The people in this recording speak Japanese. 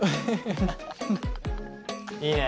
いいね。